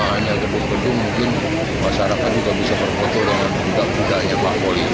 sehingga di bubur bubur mungkin masyarakat juga bisa berfoto dengan kuda kuda yang berolahraga